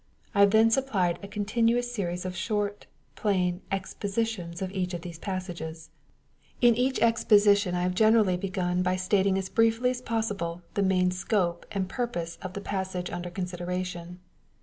I have then supplied a continuous smes of short, plain " Expositions" of each of these I ^% IV PBEFACE. passages. In each Exposition I have generally began by stating as briefly as possible the main scope and purpose of the passage under consideration.